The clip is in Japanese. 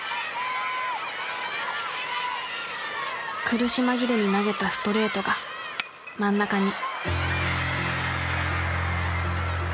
苦し紛れに投げたストレートが真ん中に。